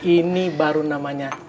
ini baru namanya